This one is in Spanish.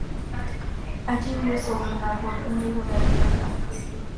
Allí vio sobre un árbol un nido de águilas blancas.